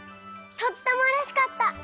とってもうれしかった。